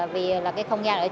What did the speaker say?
vì là cái không gian ở bên ngoài